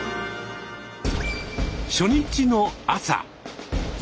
初日の朝。